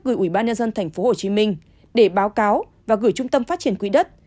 gửi ủy ban nhân dân tp hcm để báo cáo và gửi trung tâm phát triển quỹ đất